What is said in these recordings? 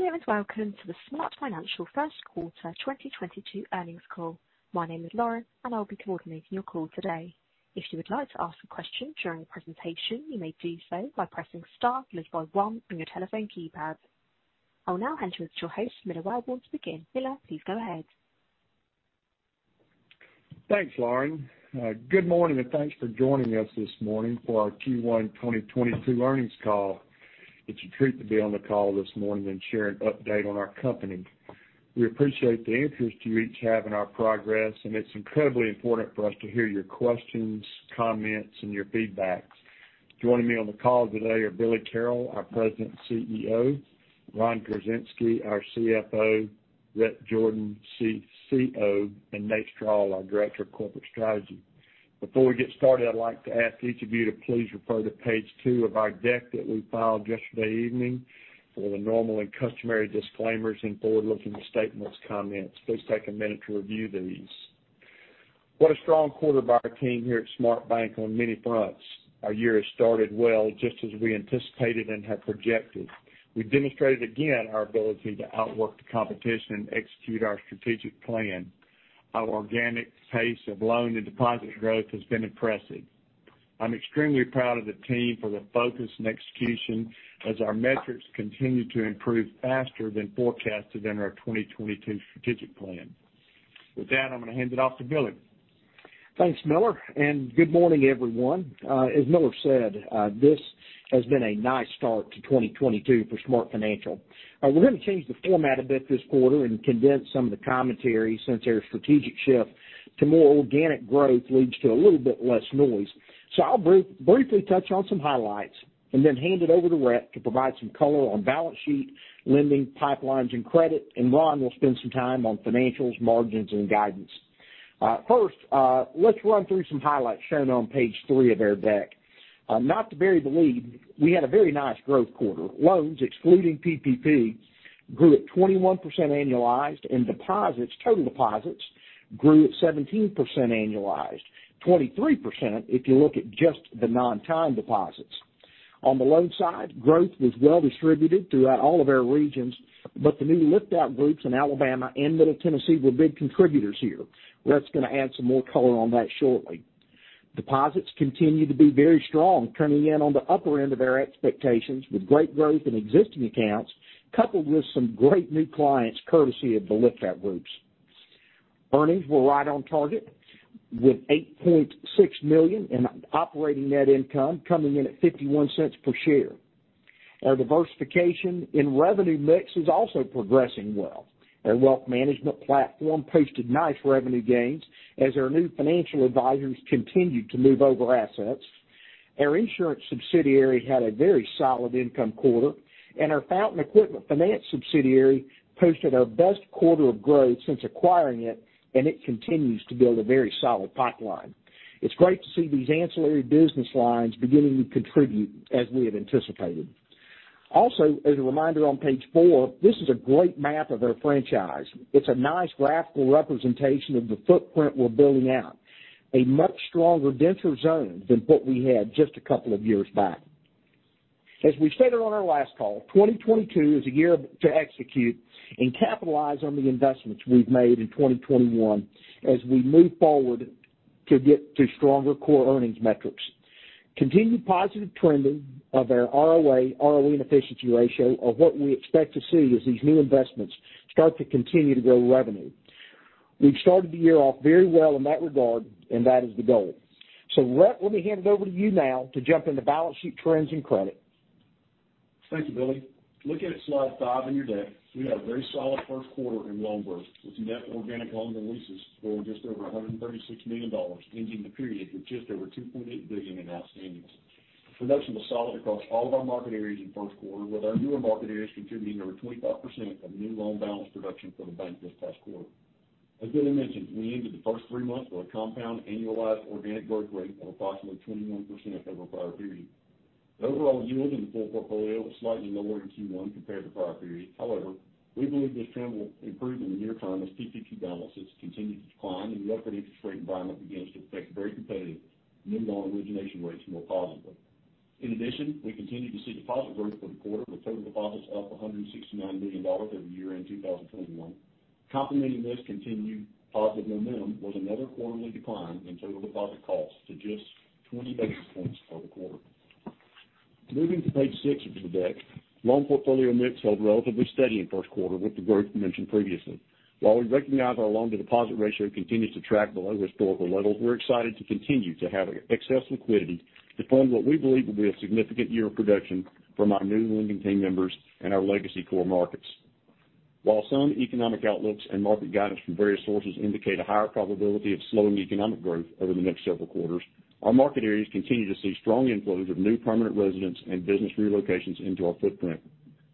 Hello, and welcome to the SmartFinancial first quarter 2022 earnings call. My name is Lauren, and I'll be coordinating your call today. If you would like to ask a question during the presentation, you may do so by pressing star followed by one on your telephone keypad. I'll now hand you to your host, Miller Welborn to begin. Miller, please go ahead. Thanks, Lauren. Good morning, and thanks for joining us this morning for our Q1 2022 earnings call. It's a treat to be on the call this morning and share an update on our company. We appreciate the interest you each have in our progress, and it's incredibly important for us to hear your questions, comments, and your feedback. Joining me on the call today are Billy Carroll, our President and CEO, Ron Gorczynski, our CFO, Rhett Jordan, our Chief Credit Officer, and Nate Strall, our Director of Corporate Strategy. Before we get started, I'd like to ask each of you to please refer to page 2 of our deck that we filed yesterday evening for the normal and customary disclaimers and forward-looking statements comments. Please take a minute to review these. What a strong quarter by our team here at SmartBank on many fronts. Our year has started well, just as we anticipated and have projected. We've demonstrated again our ability to outwork the competition and execute our strategic plan. Our organic pace of loan and deposit growth has been impressive. I'm extremely proud of the team for their focus and execution as our metrics continue to improve faster than forecasted in our 2022 strategic plan. With that, I'm gonna hand it off to Billy. Thanks, Miller, and good morning, everyone. As Miller said, this has been a nice start to 2022 for SmartFinancial. We're gonna change the format a bit this quarter and condense some of the commentary since their strategic shift to more organic growth leads to a little bit less noise. I'll briefly touch on some highlights and then hand it over to Rhett to provide some color on balance sheet, lending pipelines and credit, and Ron will spend some time on financials, margins, and guidance. First, let's run through some highlights shown on page 3 of our deck. Not to bury the lead, we had a very nice growth quarter. Loans, excluding PPP, grew at 21% annualized and deposits, total deposits grew at 17% annualized, 23% if you look at just the non-time deposits. On the loan side, growth was well distributed throughout all of our regions, but the new lift-out groups in Alabama and Middle Tennessee were big contributors here. Rhett's gonna add some more color on that shortly. Deposits continue to be very strong, coming in on the upper end of our expectations with great growth in existing accounts, coupled with some great new clients courtesy of the lift-out groups. Earnings were right on target with $8.6 million in operating net income, coming in at $0.51 per share. Our diversification in revenue mix is also progressing well. Our wealth management platform posted nice revenue gains as our new financial advisors continued to move over assets. Our insurance subsidiary had a very solid income quarter, and our Fountain Equipment Finance subsidiary posted our best quarter of growth since acquiring it, and it continues to build a very solid pipeline. It's great to see these ancillary business lines beginning to contribute as we have anticipated. Also, as a reminder on page 4, this is a great map of our franchise. It's a nice graphical representation of the footprint we're building out, a much stronger, denser zone than what we had just a couple of years back. As we stated on our last call, 2022 is a year to execute and capitalize on the investments we've made in 2021 as we move forward to get to stronger core earnings metrics. Continued positive trending of our ROA, ROE and efficiency ratio are what we expect to see as these new investments start to continue to grow revenue. We've started the year off very well in that regard, and that is the goal. Rhett, let me hand it over to you now to jump into balance sheet trends and credit. Thank you, Billy. Looking at slide five in your deck, we had a very solid first quarter in loan growth, with net organic loans and leases growing just over $136 million, ending the period with just over $2.8 billion in outstandings. Production was solid across all of our market areas in first quarter, with our newer market areas contributing over 25% of new loan balance production for the bank this past quarter. As Billy mentioned, we ended the first three months with a compound annualized organic growth rate of approximately 21% over the prior period. The overall yield in the full portfolio was slightly lower in Q1 compared to prior period. However, we believe this trend will improve in the near term as PPP balances continue to decline and the upward interest rate environment begins to affect very competitive new loan origination rates more positively. In addition, we continue to see deposit growth for the quarter, with total deposits up $169 million over year-end 2021. Complementing this continued positive momentum was another quarterly decline in total deposit costs to just 20 basis points for the quarter. Moving to page 6 of the deck, loan portfolio mix held relatively steady in first quarter with the growth we mentioned previously. While we recognize our loan-to-deposit ratio continues to track below historical levels, we're excited to continue to have excess liquidity to fund what we believe will be a significant year of production from our new lending team members and our legacy core markets. While some economic outlooks and market guidance from various sources indicate a higher probability of slowing economic growth over the next several quarters, our market areas continue to see strong inflows of new permanent residents and business relocations into our footprint.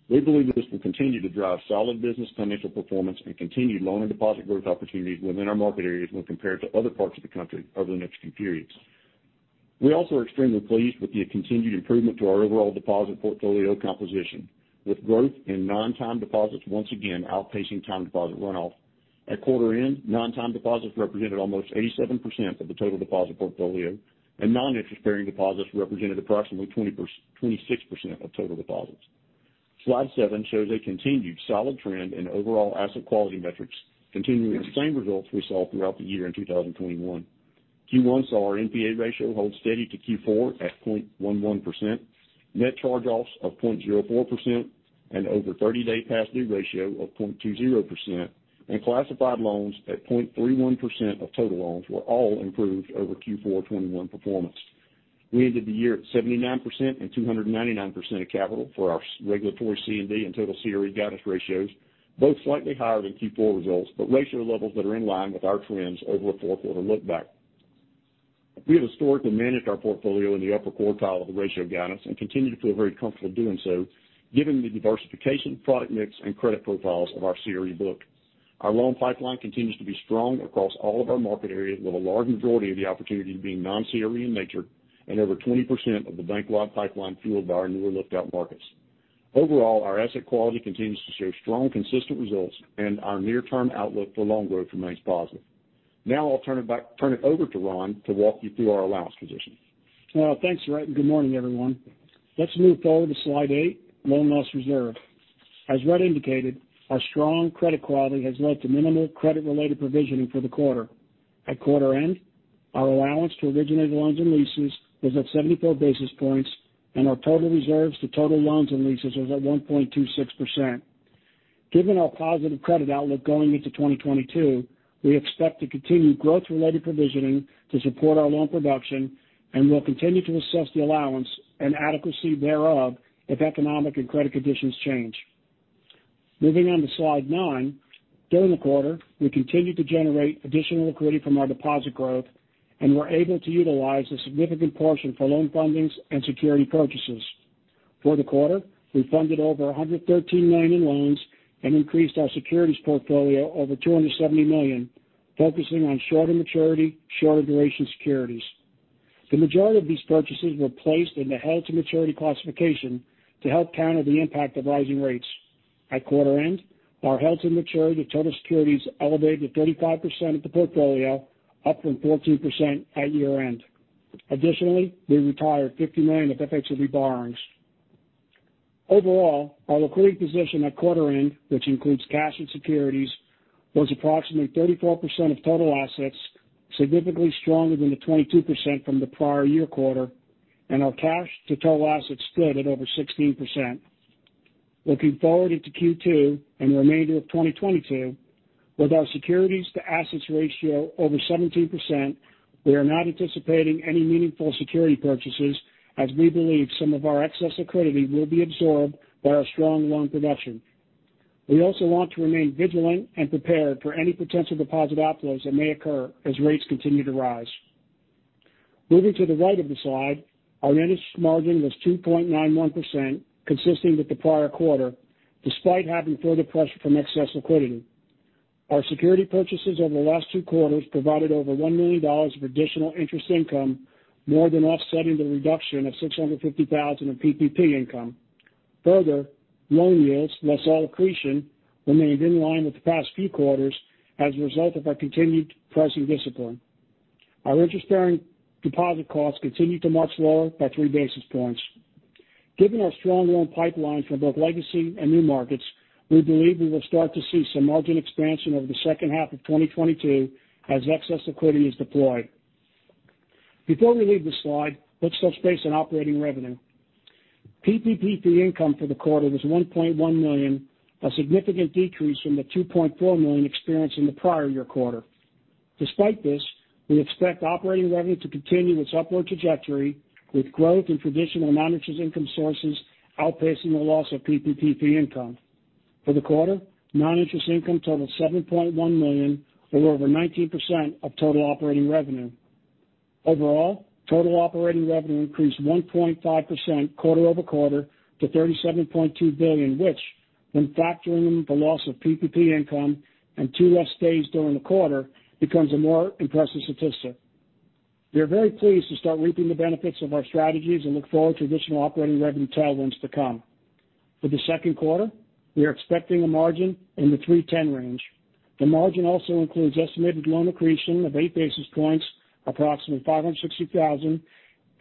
We believe that this will continue to drive solid business financial performance and continued loan and deposit growth opportunities within our market areas when compared to other parts of the country over the next few periods. We also are extremely pleased with the continued improvement to our overall deposit portfolio composition, with growth in non-time deposits once again outpacing time deposit runoff. At quarter end, non-time deposits represented almost 87% of the total deposit portfolio, and non-interest bearing deposits represented approximately 26% of total deposits. Slide 7 shows a continued solid trend in overall asset quality metrics, continuing the same results we saw throughout the year in 2021. Q1 saw our NPA ratio hold steady to Q4 at 0.11%. Net charge-offs of 0.04% and over 30-day past due ratio of 0.20% in classified loans at 0.31% of total loans were all improved over Q4 2021 performance. We ended the year at 79% and 299% of capital for our regulatory C&D and total CRE guidance ratios, both slightly higher than Q4 results, but ratio levels that are in line with our trends over a 4-quarter look-back. We have historically managed our portfolio in the upper quartile of the ratio guidance and continue to feel very comfortable doing so given the diversification, product mix and credit profiles of our CRE book. Our loan pipeline continues to be strong across all of our market areas, with a large majority of the opportunities being non-CRE in nature and over 20% of the bank-wide pipeline fueled by our newer lift-out markets. Overall, our asset quality continues to show strong, consistent results and our near-term outlook for loan growth remains positive. Now I'll turn it over to Ron to walk you through our allowance position. Well, thanks, Rhett, and good morning, everyone. Let's move forward to slide 8, loan loss reserve. As Rhett indicated, our strong credit quality has led to minimal credit-related provisioning for the quarter. At quarter end, our allowance to originated loans and leases was at 74 basis points, and our total reserves to total loans and leases was at 1.26%. Given our positive credit outlook going into 2022, we expect to continue growth-related provisioning to support our loan production, and we'll continue to assess the allowance and adequacy thereof if economic and credit conditions change. Moving on to slide 9. During the quarter, we continued to generate additional liquidity from our deposit growth and were able to utilize a significant portion for loan fundings and security purchases. For the quarter, we funded over $113 million in loans and increased our securities portfolio over $270 million, focusing on shorter maturity, shorter duration securities. The majority of these purchases were placed in the held to maturity classification to help counter the impact of rising rates. At quarter end, our held to maturity of total securities elevated to 35% of the portfolio, up from 14% at year-end. Additionally, we retired $50 million of FHLB borrowings. Overall, our liquidity position at quarter end, which includes cash and securities, was approximately 34% of total assets, significantly stronger than the 22% from the prior year quarter, and our cash to total assets stood at over 16%. Looking forward into Q2 and the remainder of 2022, with our securities to assets ratio over 17%, we are not anticipating any meaningful security purchases as we believe some of our excess liquidity will be absorbed by our strong loan production. We also want to remain vigilant and prepared for any potential deposit outflows that may occur as rates continue to rise. Moving to the right of the slide, our net interest margin was 2.91%, consistent with the prior quarter, despite having further pressure from excess liquidity. Our security purchases over the last two quarters provided over $1 million of additional interest income, more than offsetting the reduction of $650,000 of PPP income. Further, loan yields less loan accretion remained in line with the past few quarters as a result of our continued pricing discipline. Our interest-bearing deposit costs continued to march lower by 3 basis points. Given our strong loan pipeline for both legacy and new markets, we believe we will start to see some margin expansion over the second half of 2022 as excess liquidity is deployed. Before we leave this slide, let's touch base on operating revenue. PPP fee income for the quarter was $1.1 million, a significant decrease from the $2.4 million experienced in the prior year quarter. Despite this, we expect operating revenue to continue its upward trajectory, with growth in traditional non-interest income sources outpacing the loss of PPP fee income. For the quarter, non-interest income totaled $7.1 million, or over 19% of total operating revenue. Overall, total operating revenue increased 1.5% quarter-over-quarter to $37.2 billion, which, when factoring the loss of PPP income and two less days during the quarter, becomes a more impressive statistic. We are very pleased to start reaping the benefits of our strategies and look forward to additional operating revenue tailwinds to come. For the second quarter, we are expecting a margin in the 3.10 range. The margin also includes estimated loan accretion of 8 basis points, approximately $560,000,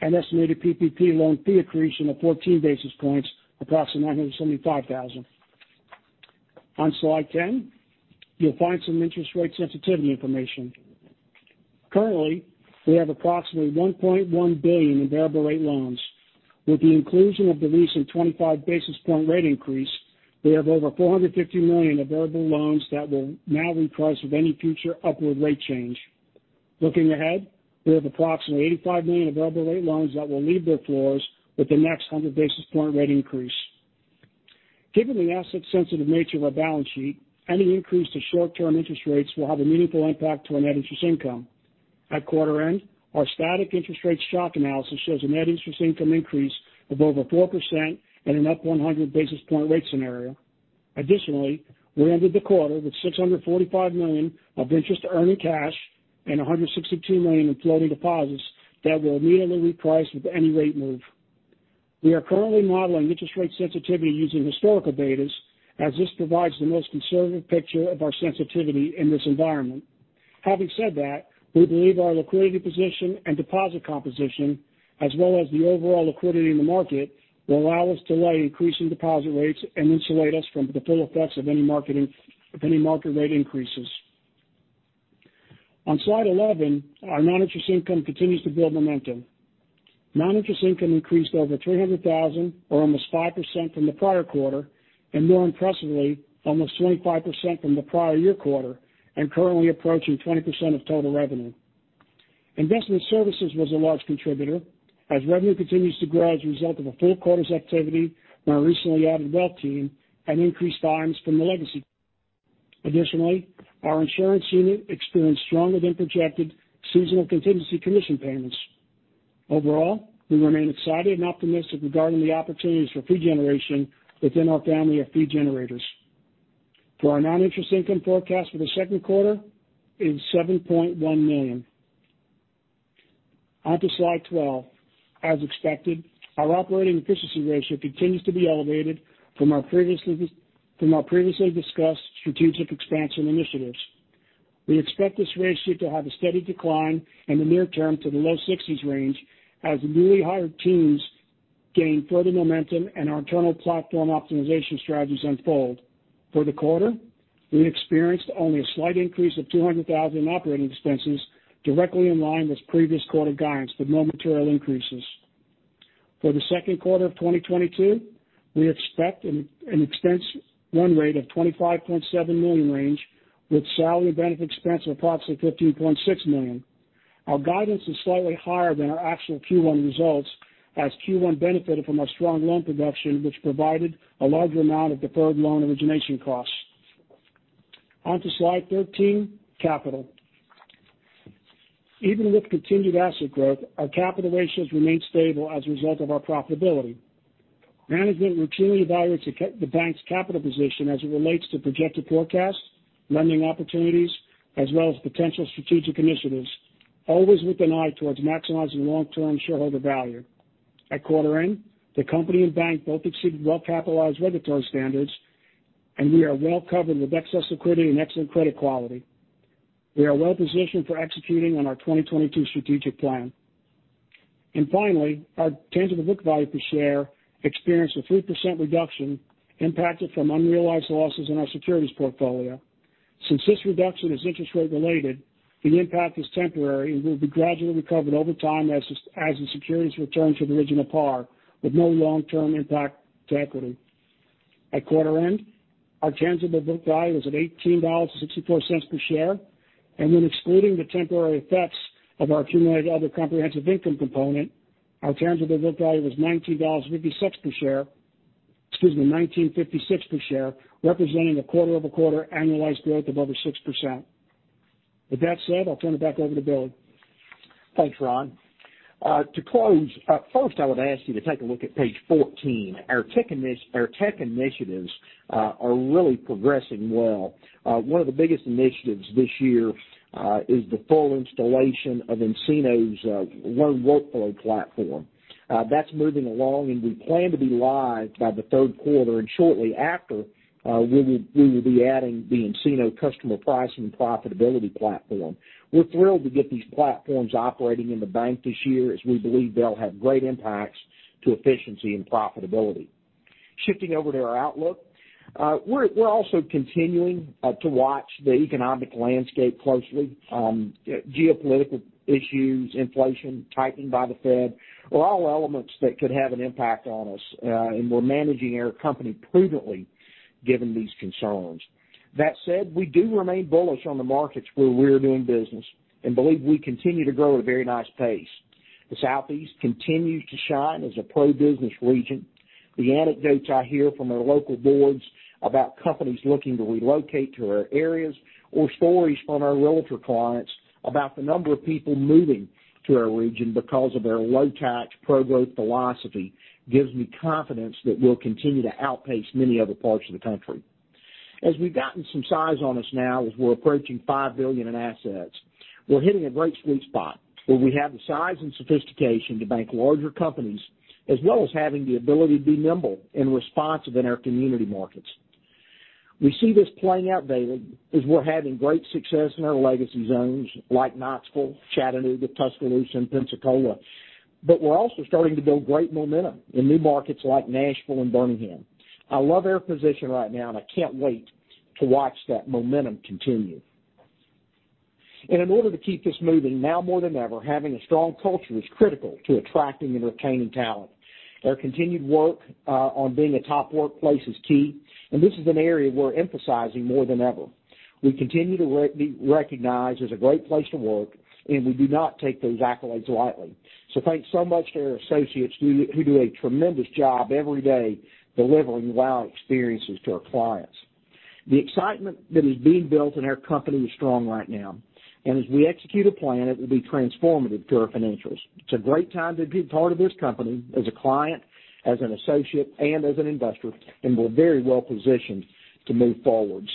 and estimated PPP loan fee accretion of 14 basis points, approximately $975,000. On slide 10, you'll find some interest rate sensitivity information. Currently, we have approximately $1.1 billion in variable rate loans. With the inclusion of the recent 25 basis point rate increase, we have over $450 million available loans that will now reprice with any future upward rate change. Looking ahead, we have approximately $85 million available rate loans that will leave their floors with the next 100 basis point rate increase. Given the asset sensitive nature of our balance sheet, any increase to short-term interest rates will have a meaningful impact to our net interest income. At quarter end, our static interest rate shock analysis shows a net interest income increase of over 4% at an up 100 basis point rate scenario. Additionally, we ended the quarter with $645 million of interest-bearing cash and $162 million in floating deposits that will immediately reprice with any rate move. We are currently modeling interest rate sensitivity using historical betas as this provides the most conservative picture of our sensitivity in this environment. Having said that, we believe our liquidity position and deposit composition, as well as the overall liquidity in the market, will allow us to lag increasing deposit rates and insulate us from the full effects of any market rate increases. On slide 11, our non-interest income continues to build momentum. Non-interest income increased over $300,000 or almost 5% from the prior quarter, and more impressively, almost 25% from the prior year quarter, and currently approaching 20% of total revenue. Investment services was a large contributor as revenue continues to grow as a result of a full quarter's activity from our recently added wealth team and increased volumes from the legacy. Additionally, our insurance unit experienced stronger than projected seasonal contingency commission payments. Overall, we remain excited and optimistic regarding the opportunities for fee generation within our family of fee generators. For our non-interest income, forecast for the second quarter is $7.1 million. Onto slide 12. As expected, our operating efficiency ratio continues to be elevated from our previously discussed strategic expansion initiatives. We expect this ratio to have a steady decline in the near term to the low 60s% as newly hired teams gain further momentum and our internal platform optimization strategies unfold. For the quarter, we experienced only a slight increase of $200,000 in operating expenses directly in line with previous quarter guidance, but no material increases. For the second quarter of 2022, we expect an expense run rate of $25.7 million range with salary and benefit expense of approximately $15.6 million. Our guidance is slightly higher than our actual Q1 results as Q1 benefited from our strong loan production, which provided a large amount of deferred loan origination costs. Onto slide 13, capital. Even with continued asset growth, our capital ratios remain stable as a result of our profitability. Management routinely evaluates the bank's capital position as it relates to projected forecasts, lending opportunities, as well as potential strategic initiatives, always with an eye towards maximizing long-term shareholder value. At quarter end, the company and bank both exceed well-capitalized regulatory standards, and we are well covered with excess liquidity and excellent credit quality. We are well positioned for executing on our 2022 strategic plan. Finally, our tangible book value per share experienced a 3% reduction impacted from unrealized losses in our securities portfolio. Since this reduction is interest rate related, the impact is temporary and will be gradually recovered over time as the securities return to the original par with no long-term impact to equity. At quarter end, our tangible book value was at $18.64 per share, and when excluding the temporary effects of our accumulated other comprehensive income component, our tangible book value was $19.56 per share. Excuse me, $19.56 per share, representing a quarter-over-quarter annualized growth of over 6%. With that said, I'll turn it back over to Billy. Thanks, Ron. To close, first, I would ask you to take a look at page 14. Our tech initiatives are really progressing well. One of the biggest initiatives this year is the full installation of nCino's loan workflow platform. That's moving along, and we plan to be live by the third quarter and shortly after, we will be adding the nCino Commercial Pricing and Profitability platform. We're thrilled to get these platforms operating in the bank this year, as we believe they'll have great impacts to efficiency and profitability. Shifting over to our outlook, we're also continuing to watch the economic landscape closely. Geopolitical issues, inflation, tightening by the Fed are all elements that could have an impact on us, and we're managing our company prudently given these concerns. That said, we do remain bullish on the markets where we're doing business and believe we continue to grow at a very nice pace. The Southeast continues to shine as a pro-business region. The anecdotes I hear from our local boards about companies looking to relocate to our areas or stories from our realtor clients about the number of people moving to our region because of their low-tax, pro-growth philosophy gives me confidence that we'll continue to outpace many other parts of the country. As we've gotten some size on us now, as we're approaching $5 billion in assets, we're hitting a great sweet spot where we have the size and sophistication to bank larger companies, as well as having the ability to be nimble and responsive in our community markets. We see this playing out daily as we're having great success in our legacy zones like Knoxville, Chattanooga, Tuscaloosa, and Pensacola. We're also starting to build great momentum in new markets like Nashville and Birmingham. I love our position right now, and I can't wait to watch that momentum continue. In order to keep this moving, now more than ever, having a strong culture is critical to attracting and retaining talent. Our continued work on being a top workplace is key, and this is an area we're emphasizing more than ever. We continue to be recognized as a great place to work, and we do not take those accolades lightly. Thanks so much to our associates who do a tremendous job every day delivering wow experiences to our clients. The excitement that is being built in our company is strong right now. As we execute a plan, it will be transformative to our financials. It's a great time to be part of this company as a client, as an associate, and as an investor, and we're very well positioned to move forward.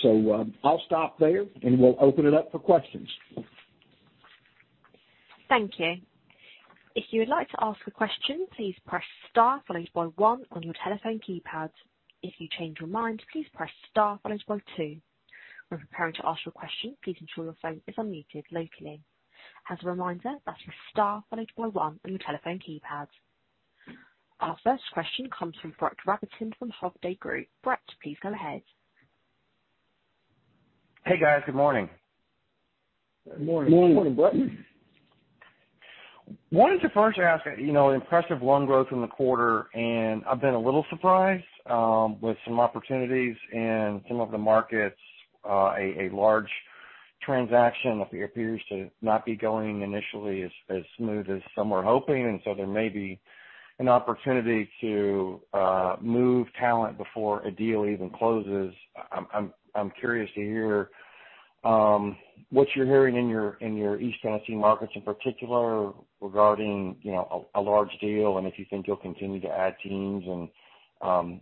I'll stop there, and we'll open it up for questions. Thank you. If you would like to ask a question, please press star followed by one on your telephone keypad. If you change your mind, please press star followed by two. When preparing to ask your question, please ensure your phone is unmuted locally. As a reminder, that's star followed by one on your telephone keypad. Our first question comes from Brett Rabatin from Hovde Group. Brett, please go ahead. Hey, guys. Good morning. Good morning. Good morning. wanted to first ask, you know, impressive loan growth in the quarter, and I've been a little surprised with some opportunities in some of the markets. A large transaction appears to not be going initially as smooth as some were hoping. There may be an opportunity to move talent before a deal even closes. I'm curious to hear what you're hearing in your East Tennessee markets in particular regarding, you know, a large deal and if you think you'll continue to add teams and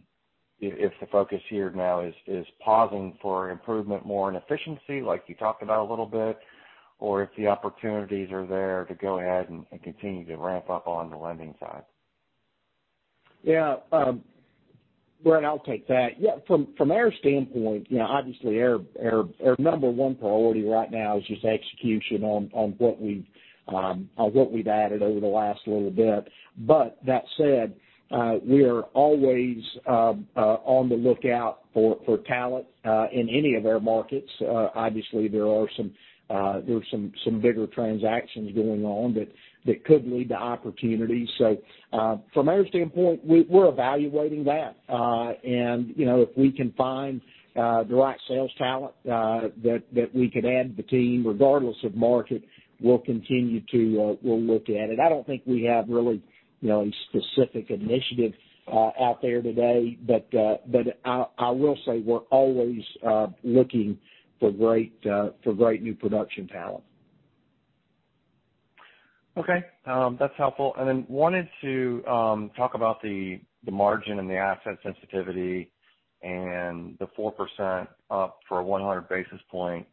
if the focus here now is pausing for improvement more in efficiency, like you talked about a little bit, or if the opportunities are there to go ahead and continue to ramp up on the lending side. Yeah. Brett, I'll take that. Yeah, from our standpoint, you know, obviously our number one priority right now is just execution on what we've added over the last little bit. That said, we are always on the lookout for talent in any of our markets. Obviously there are some bigger transactions going on that could lead to opportunities. From our standpoint, we're evaluating that. You know, if we can find the right sales talent that we could add to the team, regardless of market, we'll continue to look at it. I don't think we have really, you know, a specific initiative out there today, but I will say we're always looking for great new production talent. Okay. That's helpful. I wanted to talk about the margin and the asset sensitivity and the 4% up for 100 basis point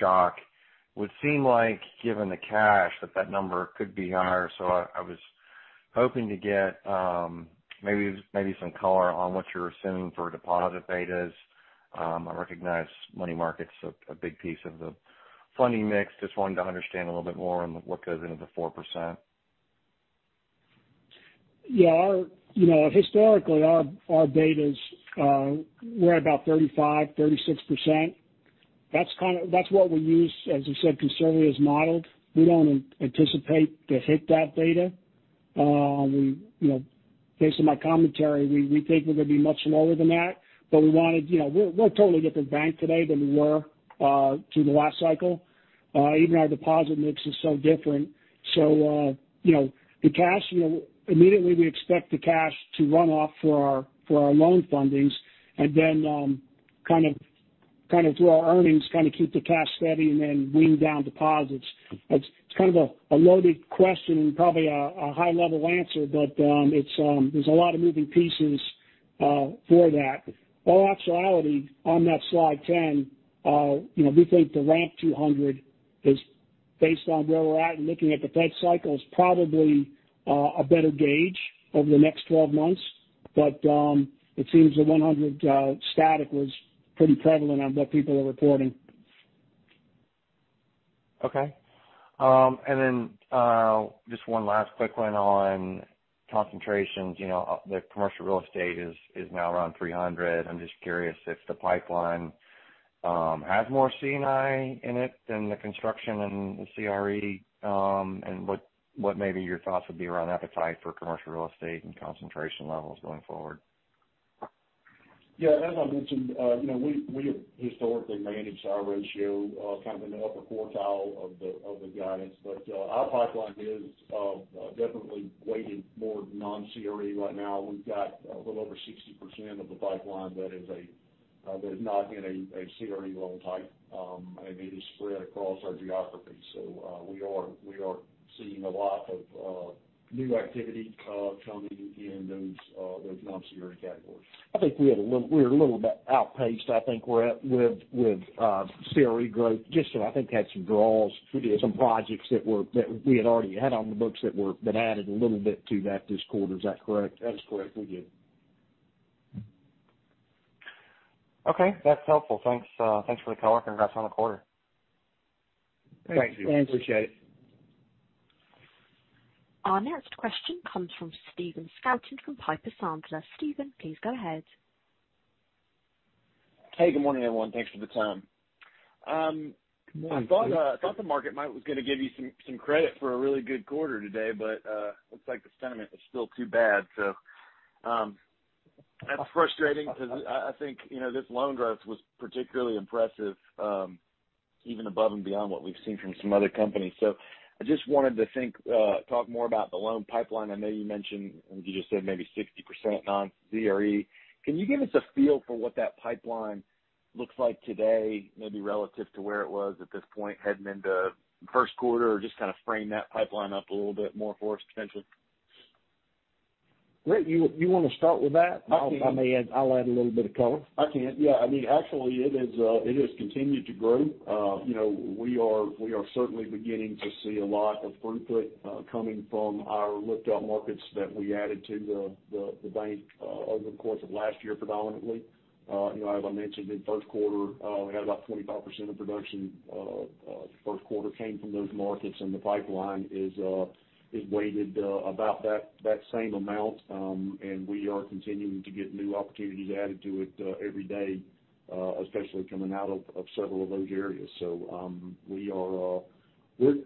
shock. It would seem like given the cash that that number could be higher. I was hoping to get maybe some color on what you're assuming for deposit betas. I recognize money market's a big piece of the funding mix. Just wanted to understand a little bit more on what goes into the 4%. Yeah. You know, historically, our betas were about 35, 36%. That's what we use, as I said, conservatively as modeled. We don't anticipate to hit that beta. You know, based on my commentary, we think we're gonna be much lower than that. But we wanted, you know, we're a totally different bank today than we were through the last cycle. Even our deposit mix is so different. You know, the cash, you know, immediately we expect the cash to run off for our loan fundings and then through our earnings, keep the cash steady and then bring down deposits. It's kind of a loaded question and probably a high-level answer, but it's there's a lot of moving pieces for that. Our actual on that slide 10, you know, we think the ramp to 200 is based on where we're at and looking at the Fed cycles, probably a better gauge over the next 12 months. It seems the 100 static was pretty prevalent on what people are reporting. Just one last quick one on concentrations. You know, the commercial real estate is now around 300. I'm just curious if the pipeline has more C&I in it than the construction and the CRE, and what maybe your thoughts would be around appetite for commercial real estate and concentration levels going forward. Yeah. As I mentioned, you know, we have historically managed our ratio kind of in the upper quartile of the guidance. Our pipeline is definitely weighted more non-CRE right now. We've got a little over 60% of the pipeline that is not in a CRE loan type, and it is spread across our geography. We are seeing a lot of new activity coming in those non-CRE categories. I think we're a little bit outpaced with CRE growth. Just, I think we had some draws- We did. Some projects that we had already had on the books that added a little bit to that this quarter. Is that correct? That is correct. We did. Okay. That's helpful. Thanks for the color. Congrats on the quarter. Thank you. Thanks. Appreciate it. Our next question comes from Stephen Scouten from Piper Sandler. Stephen, please go ahead. Hey, good morning, everyone. Thanks for the time. Good morning. I thought the market was gonna give you some credit for a really good quarter today, but looks like the sentiment is still too bad. That's frustrating because I think, you know, this loan growth was particularly impressive, even above and beyond what we've seen from some other companies. I just wanted to talk more about the loan pipeline. I know you mentioned, you just said maybe 60% non-CRE. Can you give us a feel for what that pipeline looks like today, maybe relative to where it was at this point heading into first quarter, or just kind of frame that pipeline up a little bit more for us potentially? Rick, you wanna start with that? I'll add a little bit of color. I can, yeah. I mean, actually it is, it has continued to grow. You know, we are certainly beginning to see a lot of throughput coming from our lift-out markets that we added to the bank over the course of last year, predominantly. You know, as I mentioned in first quarter, we had about 25% of production first quarter came from those markets, and the pipeline is weighted about that same amount. We are continuing to get new opportunities added to it every day, especially coming out of several of those areas. We are with,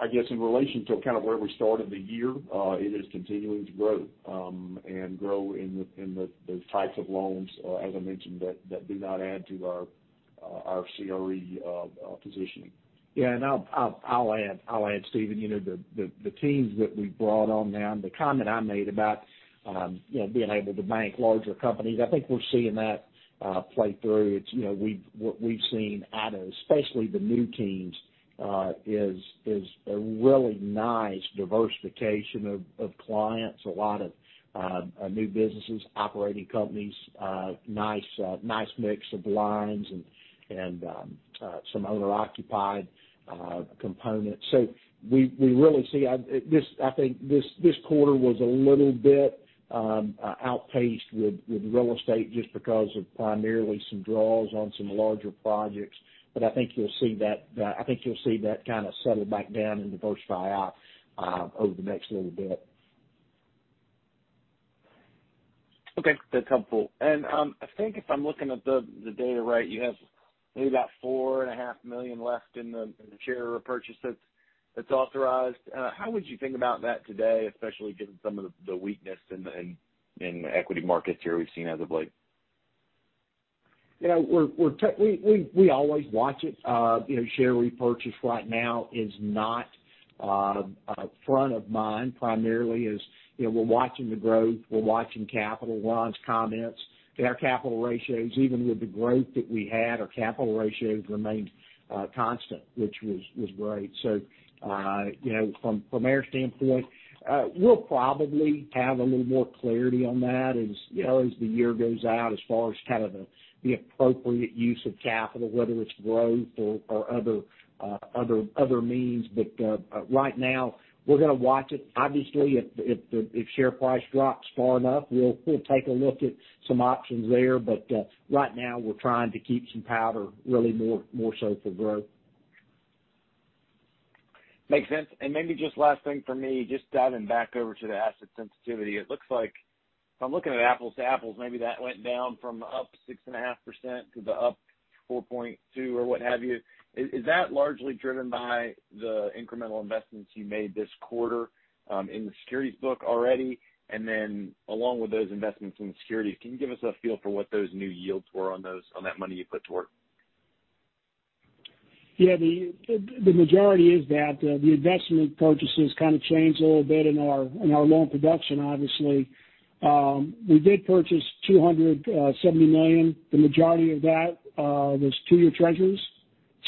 I guess, in relation to kind of where we started the year. It is continuing to grow and grow in the types of loans, as I mentioned, that do not add to our CRE positioning. Yeah, I'll add, Stephen. You know, the teams that we've brought on now, and the comment I made about, you know, being able to bank larger companies. I think we're seeing that play through. It's, you know, what we've seen out of, especially the new teams, is a really nice diversification of clients, a lot of new businesses, operating companies, nice mix of lines and some owner-occupied components. We really see this. I think this quarter was a little bit outpaced with real estate just because of primarily some draws on some larger projects. I think you'll see that. I think you'll see that kind of settle back down and diversify out over the next little bit. Okay, that's helpful. I think if I'm looking at the data right, you have maybe about $4.5 million left in the share repurchase that's authorized. How would you think about that today, especially given some of the weakness in the equity markets here we've seen as of late? Yeah, we always watch it. You know, share repurchase right now is not front of mind. Primarily is, you know, we're watching the growth, we're watching capital. Ron's comments, our capital ratios, even with the growth that we had, our capital ratios remained constant, which was great. You know, from our standpoint, we'll probably have a little more clarity on that as you know, as the year goes out as far as kind of the appropriate use of capital, whether it's growth or other means. Right now, we're gonna watch it. Obviously, if share price drops far enough, we'll take a look at some options there. Right now, we're trying to keep some powder, really more so for growth. Makes sense. Maybe just last thing for me, just diving back over to the asset sensitivity. It looks like if I'm looking at apples to apples, maybe that went down from up 6.5% to the up 4.2% or what have you. Is that largely driven by the incremental investments you made this quarter in the securities book already? Then along with those investments in the securities, can you give us a feel for what those new yields were on that money you put to work? Yeah. The majority is that the investment purchases kind of changed a little bit in our loan production, obviously. We did purchase $270 million. The majority of that was two-year Treasuries.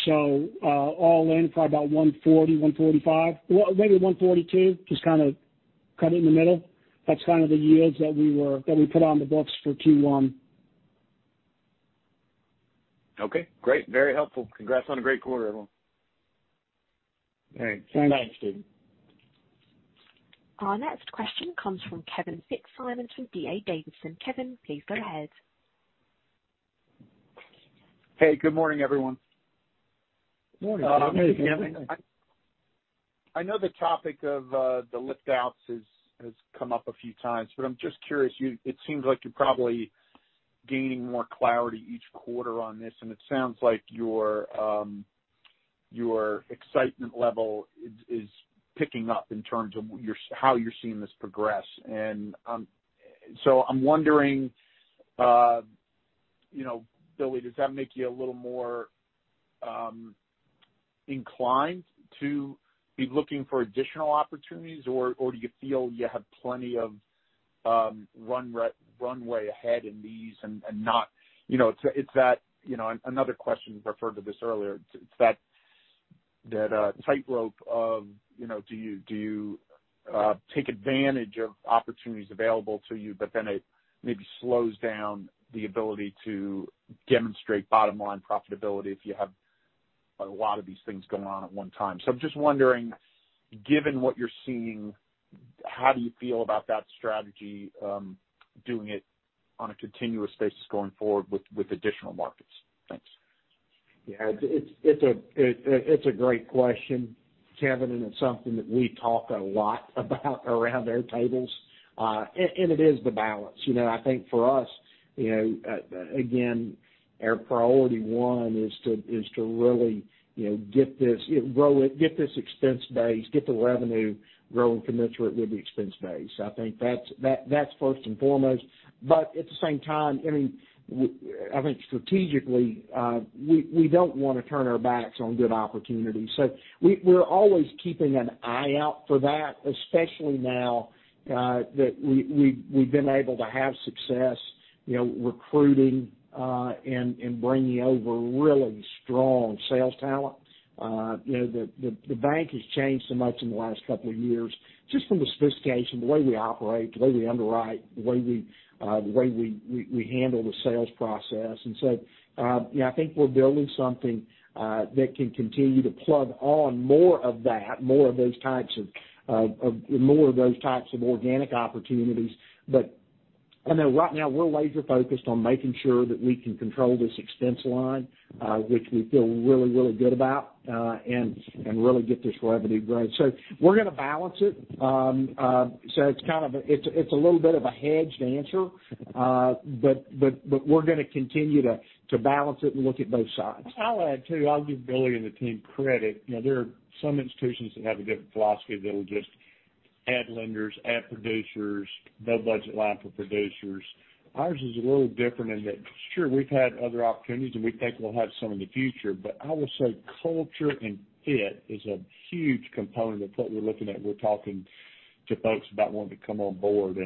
So, all in, probably about 1.40%-1.45%. Well, maybe 1.42%, just to kinda cut it in the middle. That's kind of the yields that we put on the books for Q1. Okay, great. Very helpful. Congrats on a great quarter, everyone. All right. Thanks. Thanks, Stephen. Our next question comes from Kevin Fitzsimmons from D.A. Davidson. Kevin, please go ahead. Hey, good morning, everyone. Morning. Hey, Kevin. I know the topic of the lift-outs has come up a few times, but I'm just curious. It seems like you're probably gaining more clarity each quarter on this, and it sounds like your excitement level is picking up in terms of how you're seeing this progress. I'm wondering, you know, Billy, does that make you a little more inclined to be looking for additional opportunities? Or do you feel you have plenty of runway ahead in these and not. You know, it's that, you know, another question referred to this earlier. It's that tightrope of, you know, do you take advantage of opportunities available to you, but then it maybe slows down the ability to demonstrate bottom-line profitability if you have a lot of these things going on at one time? So I'm just wondering, given what you're seeing, how do you feel about that strategy, doing it on a continuous basis going forward with additional markets? Thanks. Yeah, it's a great question, Kevin, and it's something that we talk a lot about around our tables. It is the balance. You know, I think for us, you know, again, our priority one is to really, you know, get this, you know, grow it, get this expense base, get the revenue growing commensurate with the expense base. I think that's first and foremost. But at the same time, I mean, I think strategically, we don't wanna turn our backs on good opportunities. So we're always keeping an eye out for that, especially now, that we've been able to have success. You know, recruiting and bringing over really strong sales talent. you know, the bank has changed so much in the last couple of years just from the sophistication, the way we operate, the way we underwrite, the way we handle the sales process. you know, I think we're building something that can continue to plug on more of that, more of those types of organic opportunities. I know right now we're laser focused on making sure that we can control this expense line, which we feel really good about, and really get this revenue growth. We're going to balance it. it's a little bit of a hedged answer. but we're going to continue to balance it and look at both sides. I'll add, too. I'll give Billy and the team credit. You know, there are some institutions that have a different philosophy. They'll just add lenders, add producers, no budget line for producers. Ours is a little different in that, sure, we've had other opportunities, and we think we'll have some in the future. I would say culture and fit is a huge component of what we're looking at when we're talking to folks about wanting to come on board.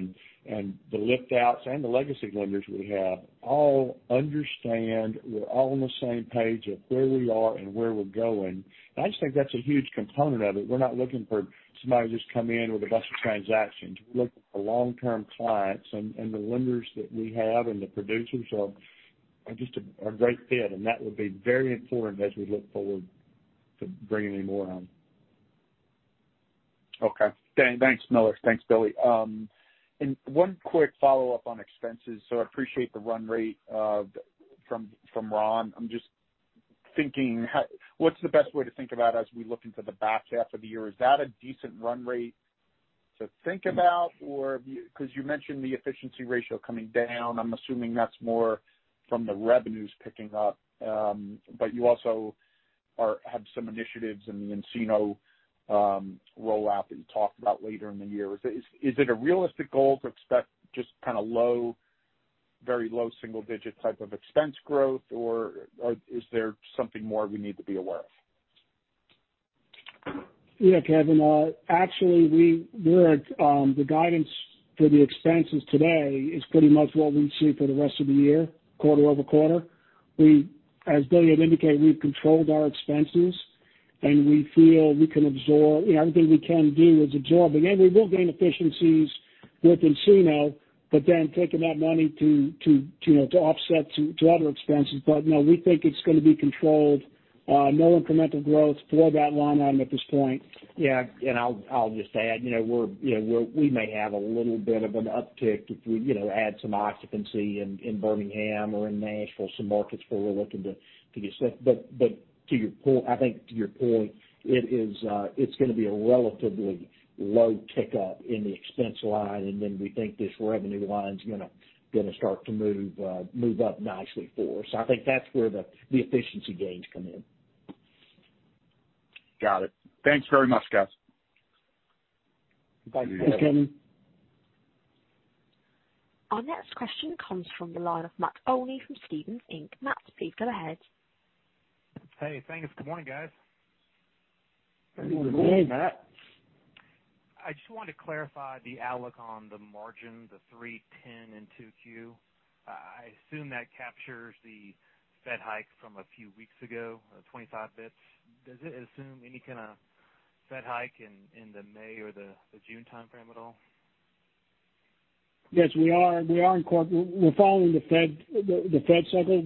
The lift outs and the legacy lenders we have all understand we're all on the same page of where we are and where we're going. I just think that's a huge component of it. We're not looking for somebody to just come in with a bunch of transactions. We're looking for long-term clients, and the lenders that we have and the producers are just a great fit, and that will be very important as we look forward to bringing more on. Thanks, Miller. Thanks, Billy. One quick follow-up on expenses. I appreciate the run rate from Ron. I'm just thinking, what's the best way to think about as we look into the back half of the year? Is that a decent run rate to think about, or because you mentioned the efficiency ratio coming down? I'm assuming that's more from the revenues picking up. You also have some initiatives in the nCino rollout that you talked about later in the year. Is it a realistic goal to expect just kind of low, very low single digit type of expense growth, or is there something more we need to be aware of? Yeah, Kevin. Actually we're at the guidance for the expenses today is pretty much what we see for the rest of the year, quarter-over-quarter. As Billy had indicated, we've controlled our expenses, and we feel we can absorb everything we can do is absorb. We will gain efficiencies with nCino, but then taking that money, you know, to offset to other expenses. No, we think it's going to be controlled, no incremental growth for that line item at this point. I'll just add, you know, we may have a little bit of an uptick if we, you know, add some occupancy in Birmingham or in Nashville, some markets where we're looking to get set. To your point, I think it is going to be a relatively low tick up in the expense line. Then we think this revenue line is going to start to move up nicely for us. I think that's where the efficiency gains come in. Got it. Thanks very much, guys. Thanks. Thanks, Kevin. Our next question comes from the line of Matt Olney from Stephens Inc. Matt, please go ahead. Hey, thanks. Good morning, guys. Good morning, Matt. I just wanted to clarify the outlook on the margin, the 3-10 in 2Q. I assume that captures the Fed hike from a few weeks ago, the 25 basis points. Does it assume any kind of Fed hike in the May or the June timeframe at all? We're following the Fed cycle.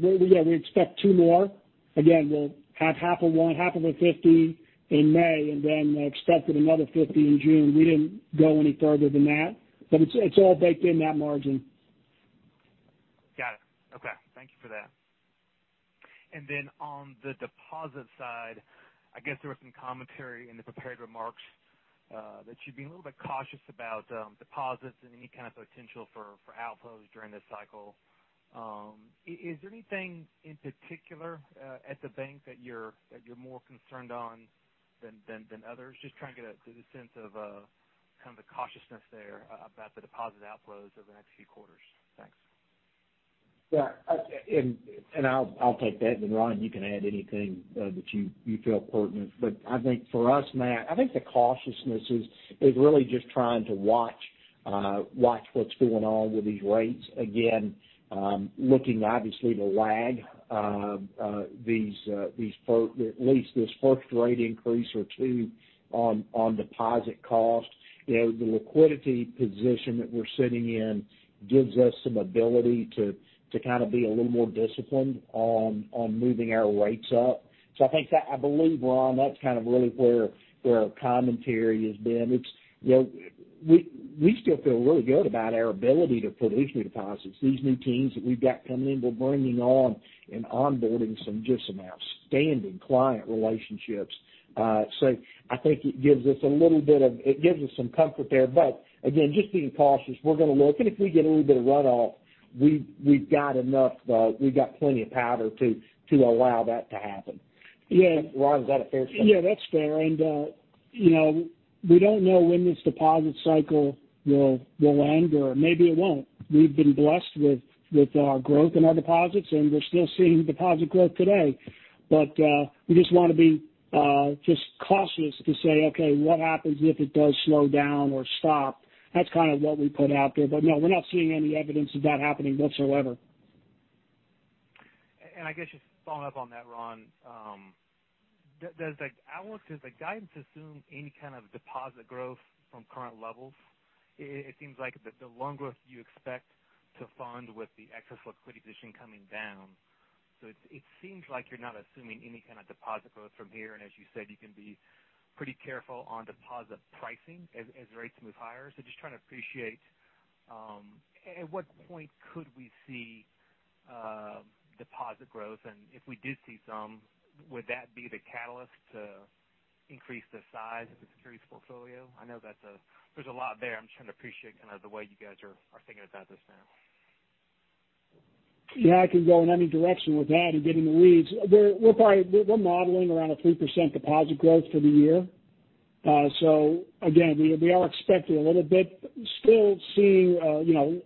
We expect two more. Again, we'll have half of 1, half of a 50 in May and then we expect another 50 in June. We didn't go any further than that, but it's all baked in that margin. Got it. Okay. Thank you for that. On the deposit side, I guess there was some commentary in the prepared remarks that you'd be a little bit cautious about deposits and any kind of potential for outflows during this cycle. Is there anything in particular at the bank that you're more concerned on than others? Just trying to get a sense of kind of the cautiousness there about the deposit outflows over the next few quarters. Thanks. Yeah. I'll take that. Ron, you can add anything that you feel pertinent. I think for us, Matt, I think the cautiousness is really just trying to watch what's going on with these rates. Again, looking obviously to lag at least this first rate increase or two on deposit costs. You know, the liquidity position that we're sitting in gives us some ability to kind of be a little more disciplined on moving our rates up. I think that I believe, Ron, that's kind of really where our commentary has been. It's you know we still feel really good about our ability to put these new deposits. These new teams that we've got coming in, we're bringing on and onboarding some outstanding client relationships. I think it gives us some comfort there. Again, just being cautious, we're going to look. If we get a little bit of runoff, we've got enough, we've got plenty of powder to allow that to happen. Yeah. Ron, is that a fair statement? Yeah, that's fair. You know, we don't know when this deposit cycle will end or maybe it won't. We've been blessed with our growth in our deposits, and we're still seeing deposit growth today. We just wanna be just cautious to say, okay, what happens if it does slow down or stop? That's kind of what we put out there. No, we're not seeing any evidence of that happening whatsoever. I guess just following up on that, Ron, does the guidance assume any kind of deposit growth from current levels? It seems like the loan growth you expect to fund with the excess liquidity position coming down. It seems like you're not assuming any kind of deposit growth from here. As you said, you can be pretty careful on deposit pricing as rates move higher. Just trying to appreciate at what point could we see deposit growth? If we did see some, would that be the catalyst to increase the size of the securities portfolio? I know that's a lot there. I'm just trying to appreciate kinda the way you guys are thinking about this now. Yeah, I can go in any direction with that and get in the weeds. We're probably modeling around 3% deposit growth for the year. Again, we are expecting a little bit, but still seeing you know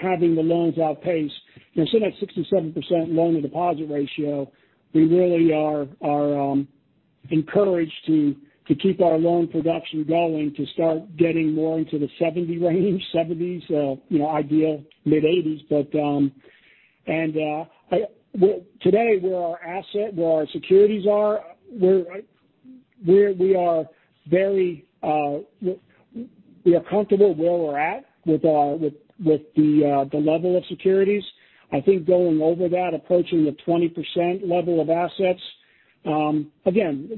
having the loans outpace. You know, seeing that 67% loan to deposit ratio, we really are encouraged to keep our loan production going to start getting more into the 70% range, 70s, you know, ideal mid-80s. Today, where our assets, where our securities are, we are very comfortable where we're at with the level of securities. I think going over that, approaching the 20% level of assets, again,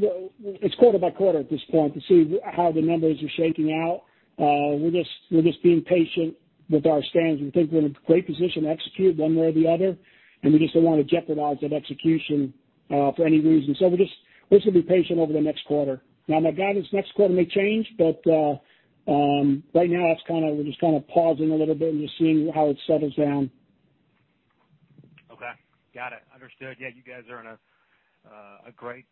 it's quarter by quarter at this point to see how the numbers are shaking out. We're just being patient with our stance. We think we're in a great position to execute one way or the other, and we just don't wanna jeopardize that execution for any reason. We're just gonna be patient over the next quarter. Now, my guidance next quarter may change, but right now we're just kinda pausing a little bit and just seeing how it settles down. Okay. Got it. Understood. Yeah, you guys are in a great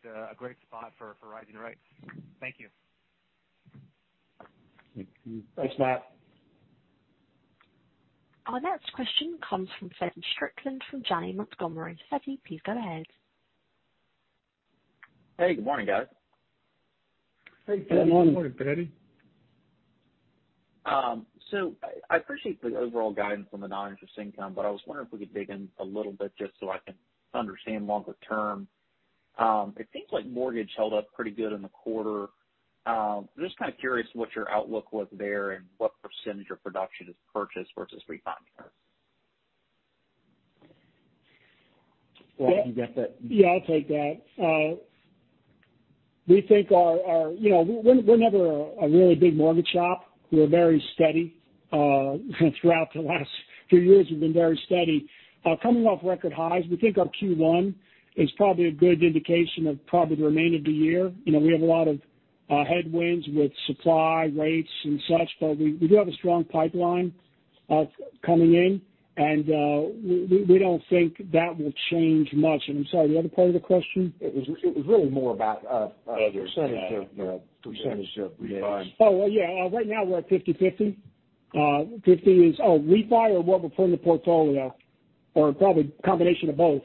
spot for rising rates. Thank you. Thank you. Thanks, Matt. Our next question comes from Feddie Strickland from Janney Montgomery. Feddie, please go ahead. Hey, good morning, guys. Hey, Feddie. Good morning, Feddie. I appreciate the overall guidance on the non-interest income, but I was wondering if we could dig in a little bit just so I can understand longer term. It seems like mortgage held up pretty good in the quarter. I'm just kinda curious what your outlook was there and what percentage of production is purchase versus refi. Ron, you got that? Yeah, I'll take that. We think our you know, we're never a really big mortgage shop. We're very steady. Throughout the last few years, we've been very steady. Coming off record highs, we think our Q1 is probably a good indication of probably the remainder of the year. You know, we have a lot of headwinds with supply, rates and such, but we don't think that will change much. I'm sorry, the other part of the question? It was really more about the percentage of refi. Oh, yeah. Right now we're at 50/50. Refi or what we put in the portfolio, or probably a combination of both.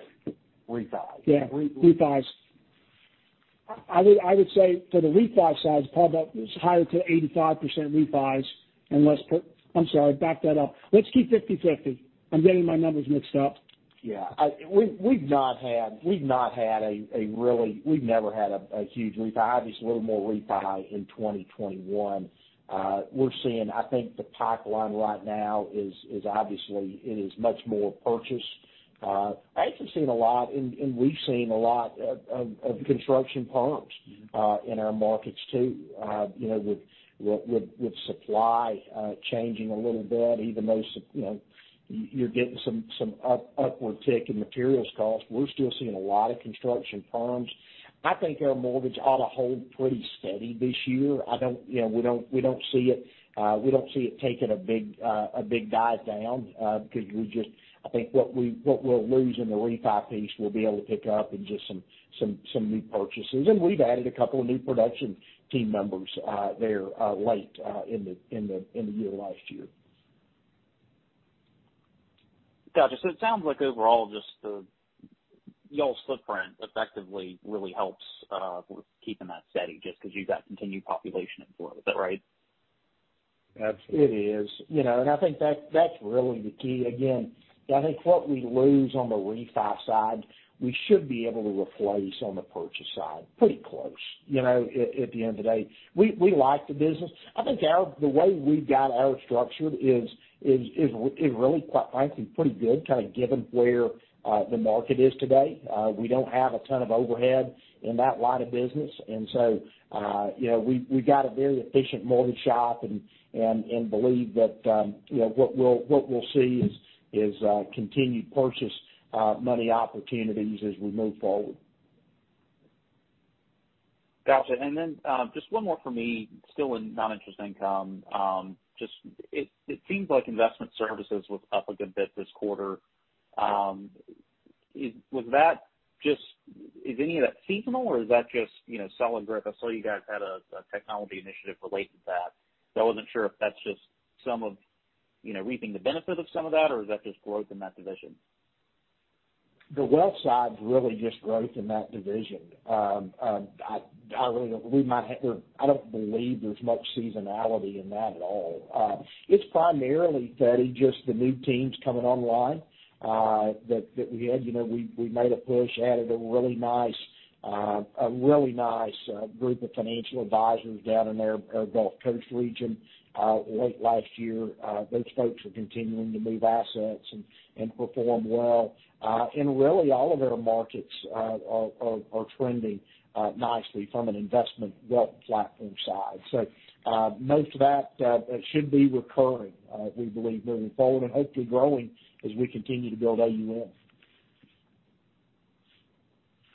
Refi. Yeah. Refis. I would say for the refi side, it's probably about 80%-85% refis. I'm sorry, back that up. Let's keep 50/50. I'm getting my numbers mixed up. Yeah. We've never had a huge refi. Obviously, a little more refi in 2021. We're seeing, I think, the pipeline right now is obviously much more purchase. I've actually seen a lot, and we've seen a lot of construction loans in our markets too, you know, with supply changing a little bit, even though you know, you're getting some upward tick in materials costs. We're still seeing a lot of construction firms. I think our mortgage ought to hold pretty steady this year. I don't, you know, we don't see it taking a big dive down, because I think what we'll lose in the refi piece, we'll be able to pick up in just some new purchases. We've added a couple of new production team members there late in the year last year. Gotcha. It sounds like overall, just the, y'all's footprint effectively really helps with keeping that steady just because you've got continued population inflow. Is that right? Absolutely. It is. You know, I think that that's really the key. Again, I think what we lose on the refi side, we should be able to replace on the purchase side pretty close, you know, at the end of the day. We like the business. I think the way we've got it structured is really, quite frankly, pretty good kind of given where the market is today. We don't have a ton of overhead in that line of business. You know, we've got a very efficient mortgage shop and believe that, you know, what we'll see is continued purchase money opportunities as we move forward. Gotcha. Just one more for me, still in noninterest income. Just, it seems like investment services was up a good bit this quarter. Is any of that seasonal or is that just, you know, solid growth? I saw you guys had a technology initiative related to that. So I wasn't sure if that's just some of you know, reaping the benefit of some of that or is that just growth in that division? The wealth side is really just growth in that division. I really don't believe there's much seasonality in that at all. It's primarily, Freddy, just the new teams coming online that we had. You know, we made a push, added a really nice group of financial advisors down in their Gulf Coast region late last year. Those folks are continuing to move assets and perform well. And really, all of our markets are trending nicely from an investment wealth platform side. Most of that should be recurring, we believe moving forward and hopefully growing as we continue to build AUM.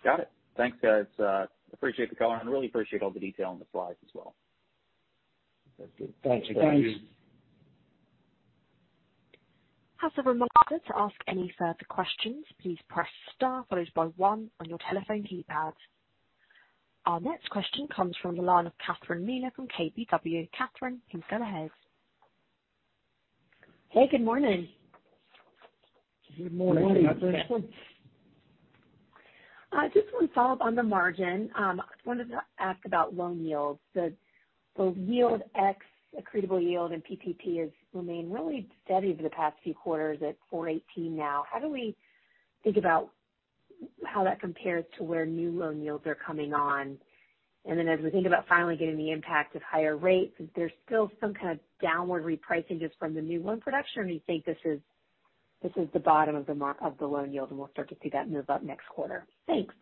Got it. Thanks, guys. Appreciate the color and really appreciate all the detail on the slides as well. That's it. Thanks, guys. Thanks. As a reminder, to ask any further questions, please press star followed by one on your telephone keypad. Our next question comes from the line of Catherine Mealor from KBW. Catherine, you can go ahead. Hey, good morning. Good morning. Good morning. I just want to follow up on the margin. I just wanted to ask about loan yields. The yield ex-accretable yield and PPP has remained really steady over the past few quarters at 4.18% now. How do we think about how that compares to where new loan yields are coming on? As we think about finally getting the impact of higher rates, is there still some kind of downward repricing just from the new loan production? Or you think this is the bottom of the loan yield, and we'll start to see that move up next quarter. Thanks.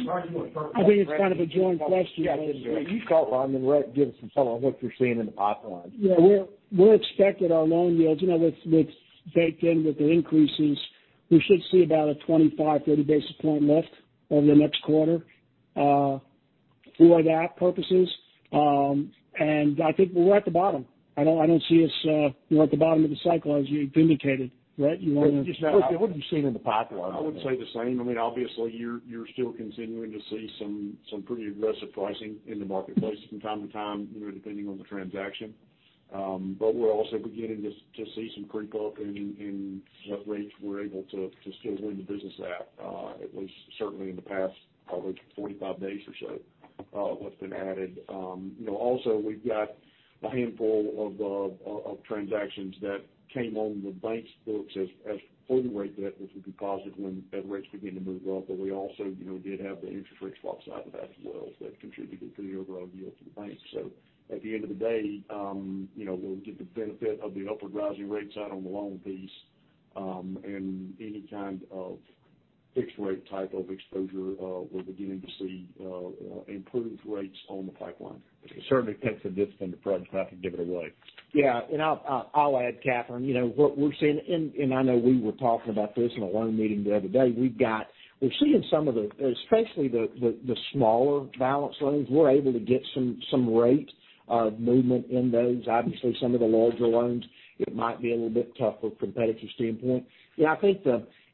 Marginally. I think it's kind of a joint question. You start, Ron, and then, Rhett, give us some color on what you're seeing in the pipeline. Yeah. We're expecting our loan yields, you know, with baked in with the increases, we should see about a 25-30 basis point lift over the next quarter, for that purposes. I think we're at the bottom. I don't see us, we're at the bottom of the cycle as you indicated, Rhett. You want to- What have you seen in the pipeline? I would say the same. I mean, obviously you're still continuing to see some pretty aggressive pricing in the marketplace from time to time, you know, depending on the transaction. We're also beginning to see some creep up in what rates we're able to still win the business at least certainly in the past probably 45 days or so, what's been added. You know, also we've got a handful of transactions that came on the bank's books as fixed-rate that would be positive when rates begin to move up. We also, you know, did have the interest rate swap side of that as well that contributed to the overall yield for the bank. At the end of the day, you know, we'll get the benefit of the upward rising rates out on the loan piece. Any kind of fixed rate type of exposure, we're beginning to see improved rates on the pipeline. It certainly takes the discipline to price. You don't have to give it away. Yeah. I'll add, Catherine, you know what we're seeing and I know we were talking about this in a loan meeting the other day. We're seeing some of the, especially the smaller balance loans. We're able to get some rate movement in those. Obviously, some of the larger loans, it might be a little bit tougher from a competitive standpoint. Yeah, I think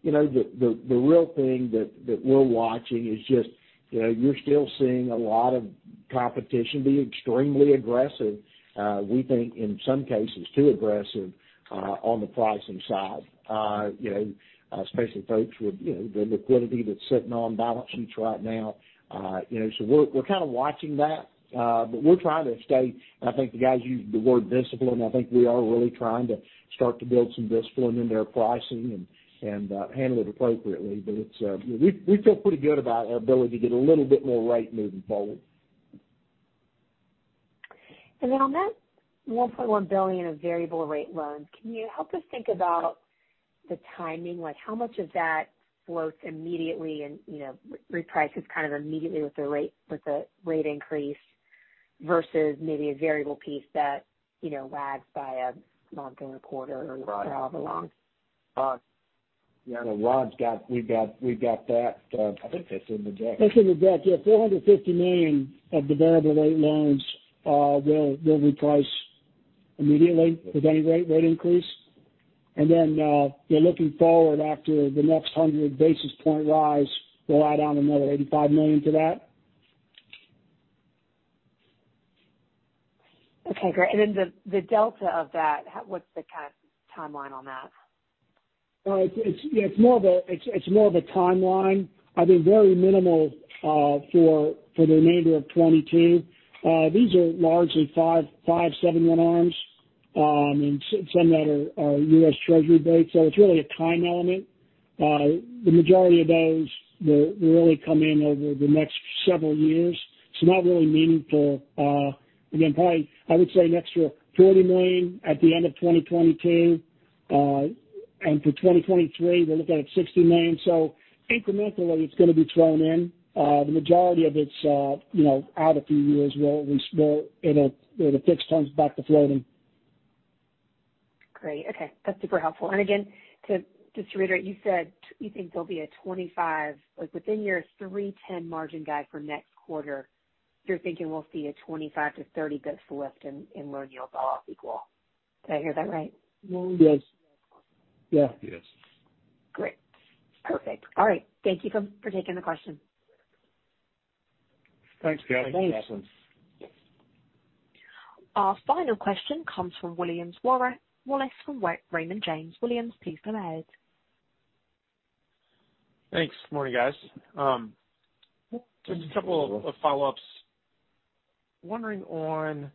you know the real thing that we're watching is just, you know, you're still seeing a lot of competition be extremely aggressive. We think in some cases too aggressive on the pricing side. You know, especially folks with, you know, the liquidity that's sitting on balance sheets right now. You know, we're kind of watching that, but we're trying to stay, and I think the guys used the word discipline. I think we are really trying to start to build some discipline into our pricing and handle it appropriately. We feel pretty good about our ability to get a little bit more rate moving forward. on that $1.1 billion of variable rate loans, can you help us think about the timing? Like, how much of that floats immediately and, you know, reprices kind of immediately with the rate, with the rate increase versus maybe a variable piece that, you know, lags by a month or a quarter for all the loans? Ron. Yeah. We've got that, I think that's in the deck. That's in the deck. Yeah. $450 million of the variable rate loans will reprice immediately with any rate increase. You're looking forward after the next 100 basis point rise, we'll add on another $85 million to that. Okay, great. The delta of that, what's the kind of timeline on that? It's more of a timeline. I mean, very minimal for the remainder of 2022. These are largely 5/5/7 ARMs, and some that are U.S. Treasury rates. So it's really a time element. The majority of those will really come in over the next several years. It's not really meaningful. Again, probably, I would say an extra $40 million at the end of 2022. For 2023, we're looking at $60 million. So incrementally, it's going to be thrown in. The majority of it's, you know, out a few years where the fixed turns back to floating. Great. Okay, that's super helpful. Again, to just reiterate, you said you think there'll be a 25, like, within your 3.10 margin guide for next quarter, you're thinking we'll see a 25-30 basis point lift in loan yields all else equal. Did I hear that right? Yes. Yeah. Yes. Great. Perfect. All right. Thank you for taking the question. Thanks, Catherine. Our final question comes from William Wallace from Raymond James. William, please go ahead. Thanks. Morning, guys. Just a couple of follow-ups. Wondering on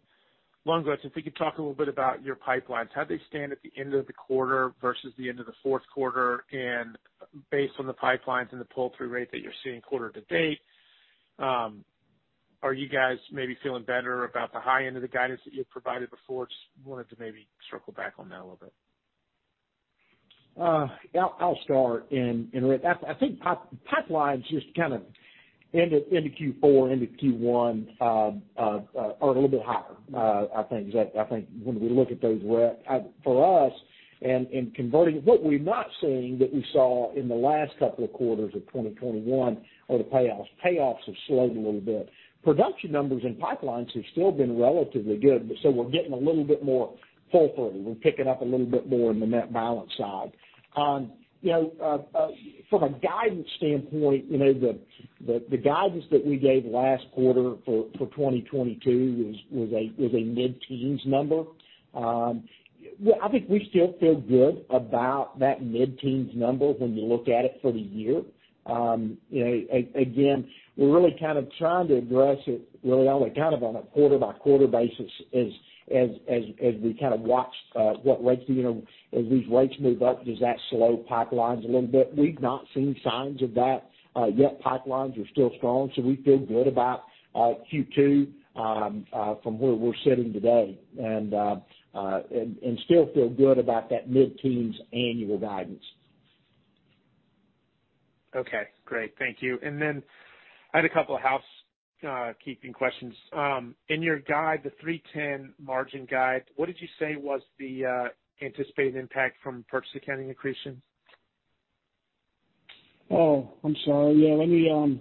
loan growth, if you could talk a little bit about your pipelines, how'd they stand at the end of the quarter versus the end of the fourth quarter? Based on the pipelines and the pull-through rate that you're seeing quarter to date, are you guys maybe feeling better about the high end of the guidance that you had provided before? Just wanted to maybe circle back on that a little bit. I'll start. I think pipelines just kind of end at end of Q4 into Q1 are a little bit higher. I think when we look at those, we're at for us and converting, what we're not seeing that we saw in the last couple of quarters of 2021 are the payoffs. Payoffs have slowed a little bit. Production numbers and pipelines have still been relatively good, but we're getting a little bit more pull through. We're picking up a little bit more in the net balance side. You know, from a guidance standpoint, you know, the guidance that we gave last quarter for 2022 was a mid-teens number. Well, I think we still feel good about that mid-teens number when you look at it for the year. You know, again, we're really kind of trying to address it, really only kind of on a quarter-by-quarter basis as we kind of watch what rates, you know, as these rates move up, does that slow pipelines a little bit? We've not seen signs of that yet. Pipelines are still strong, so we feel good about Q2 from where we're sitting today and still feel good about that mid-teens annual guidance. Okay. Great. Thank you. I had a couple of housekeeping questions. In your guide, the 3.10 margin guide, what did you say was the anticipated impact from purchase accounting accretion? Oh, I'm sorry. Yeah, let me,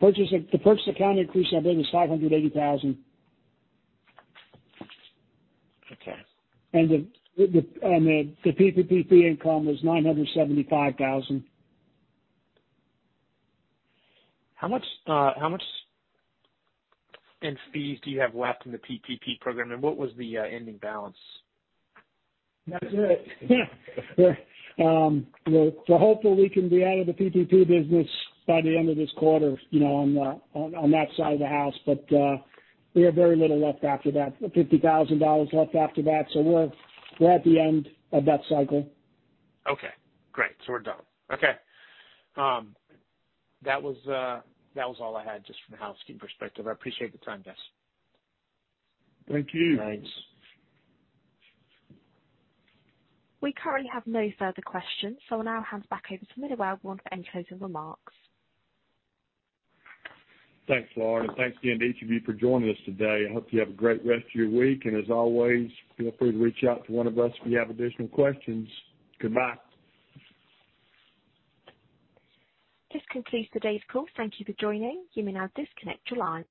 the purchase accounting accretion, I believe, is $580,000. Okay. The PPP fee income was $975,000. How much in fees do you have left in the PPP program, and what was the ending balance? That's it. You know, hopefully we can be out of the PPP business by the end of this quarter, you know, on that side of the house. We have very little left after that, $50,000 left after that. We're at the end of that cycle. Okay, great. We're done. Okay. That was all I had just from a housekeeping perspective. I appreciate the time, guys. Thank you. We currently have no further questions, so I'll now hand back over to Miller Welborn for any closing remarks. Thanks, Lauren. And thanks again to each of you for joining us today. I hope you have a great rest of your week, and as always, feel free to reach out to one of us if you have additional questions. Goodbye. This concludes today's call. Thank you for joining. You may now disconnect your line.